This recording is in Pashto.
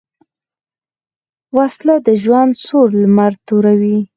وسله د ژوند سور لمر توروي